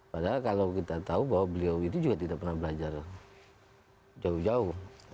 padahal kalau kita tahu bahwa beliau itu juga tidak pernah belajar jauh jauh